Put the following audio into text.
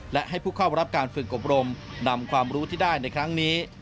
และให้ผู้เข้ารับการฝึกอบรมนำความรู้ที่ได้ในครั้งนี้